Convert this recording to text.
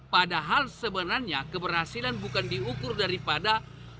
padahal sebenarnya keberhasilan bukan diukur daripada